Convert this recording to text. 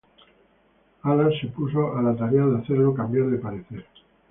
Halas se puso a la tarea de hacerlo cambiar de parecer.